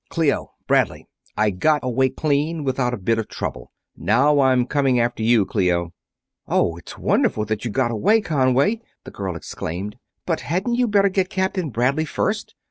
"Clio, Bradley I got away clean, without a bit of trouble. Now I'm coming after you, Clio." "Oh, it's wonderful that you got away, Conway!" the girl exclaimed. "But hadn't you better get Captain Bradley first?